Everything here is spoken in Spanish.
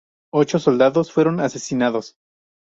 Ocho soldados fueron asesinados.